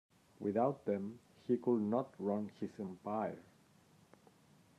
Without them he could not run his empire.